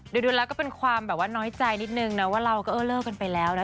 ดูแล้วก็เป็นความแบบว่าน้อยใจนิดนึงนะว่าเราก็เออเลิกกันไปแล้วนะ